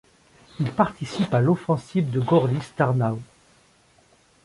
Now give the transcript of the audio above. Il participe à l'offensive de Gorlice-Tarnow.